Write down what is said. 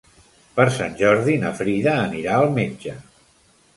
Per Sant Jordi na Frida anirà al metge.